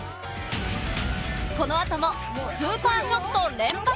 この後もスーパーショット連発！